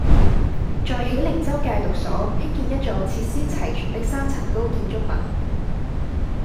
在喜靈州戒毒所興建一座設施齊全的三層高建築物